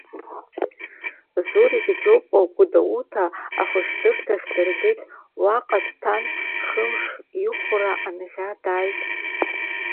Зурик Џьапуа Гәдоуҭа ахәышәтәырҭахь дыргеит, уаҟа дҭан хымш, ихәра анӷьа, дааит.